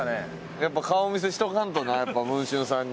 やっぱ顔見せしとかんとな文春さんに。